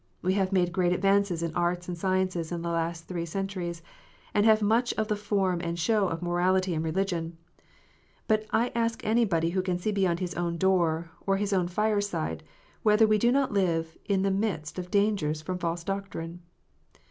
We have made great advances in arts and sciences in the last three centuries, and have much of the form and show of morality and religion. But I ask anybody who can see beyond his own door, or his own fireside, whether we do not live in the midst of dangers from false doctrine